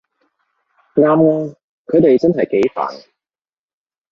啱吖，佢哋真係幾煩